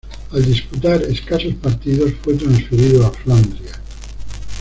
Al disputar escasos partidos, fue transferido a Flandria.